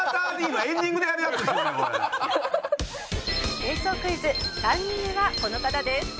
変装クイズ３人目はこの方です。